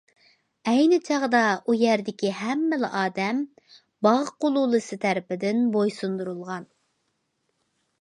ئەينى چاغدا ئۇ يەردىكى ھەممىلا ئادەم‹‹ باغ قۇلۇلىسى›› تەرىپىدىن بوي سۇندۇرۇلغان.